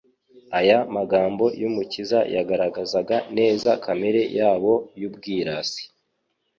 Aya magambo y'Umukiza yagaragazaga neza kamere yabo y'ubwirasi,